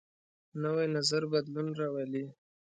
نوی نظر بدلون راولي